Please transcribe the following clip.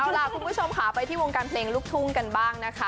เอาล่ะคุณผู้ชมค่ะไปที่วงการเพลงลูกทุ่งกันบ้างนะคะ